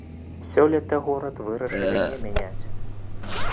Сёлета горад вырашылі не мяняць.